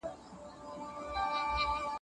ولي زیارکښ کس د لوستي کس په پرتله بریا خپلوي؟